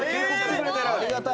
ありがたい。